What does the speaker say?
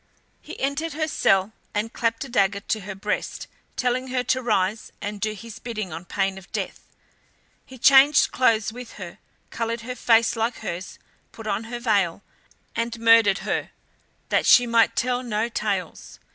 He entered her cell and clapped a dagger to her breast, telling her to rise and do his bidding on pain of death. He changed clothes with her, coloured his face like hers, put on her veil, and murdered her, that she might tell no tales.